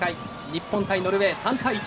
日本対ノルウェー、３対１。